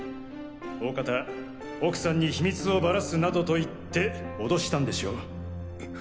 大方奥さんに秘密をばらすなどと言って脅したんでしょう。